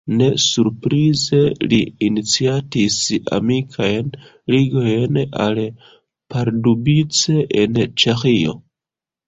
Ne surprize li iniciatis amikajn ligojn al Pardubice en Ĉeĥio.